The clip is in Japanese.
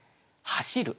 「走る」。